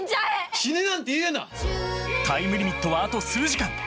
タイムリミットはあと数時間。